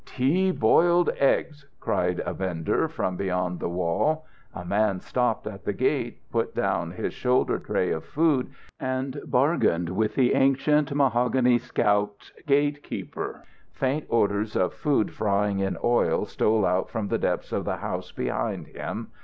"Tea boiled eggs!" cried a vender from beyond the wall. A man stopped at the gate, put down his shoulder tray of food, and bargained with the ancient, mahogany scalped gate keeper. Faint odours of food frying in oil stole out from the depths of the house behind him.